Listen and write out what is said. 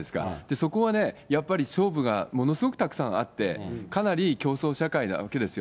そこはやっぱり勝負がものすごくたくさんあって、かなり競争社会なわけですよ。